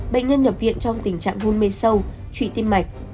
bệnh nhân nhập viện trong tình trạng hôn mê sâu trụy tim mạch